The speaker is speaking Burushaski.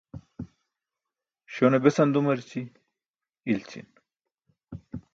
Śone besan dumarci? İlći̇n.